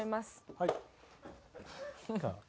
はい。